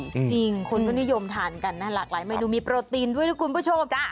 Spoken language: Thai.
จริงคุณก็นิยมทานกันน่ารักหลายไม่ดูมีโปรตีนด้วยทุกคุณผู้ชม